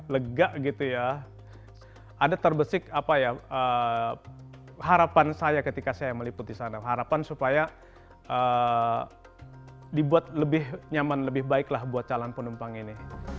lebih nyaman lebih baiklah buat calon penumpang ini